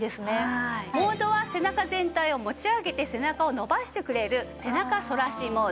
モードは背中全体を持ち上げて背中を伸ばしてくれる背中そらしモード。